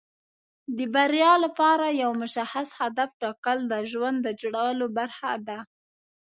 د بریا لپاره یو مشخص هدف ټاکل د ژوند د جوړولو برخه ده.